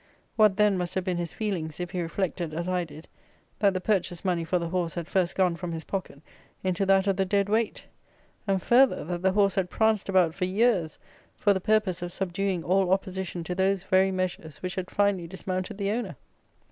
What, then, must have been his feelings, if he reflected, as I did, that the purchase money for the horse had first gone from his pocket into that of the dead weight! And, further, that the horse had pranced about for years for the purpose of subduing all opposition to those very measures, which had finally dismounted the owner!